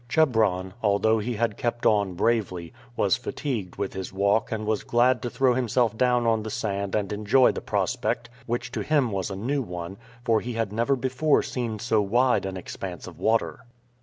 Chebron, although he had kept on bravely, was fatigued with his walk and was glad to throw himself down on the sand and enjoy the prospect, which to him was a new one, for he had never before seen so wide an expanse of water.